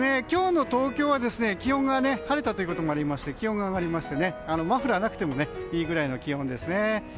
今日の東京は晴れたということもあって気温が上がりましてマフラーなくてもいいくらいの気温ですね。